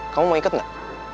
kamu mau ikut gak